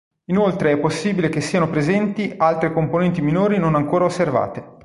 Inoltre è possibile che siano presenti altre componenti minori non ancora osservate.